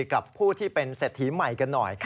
กับผู้ที่เป็นเศรษฐีใหม่กันหน่อย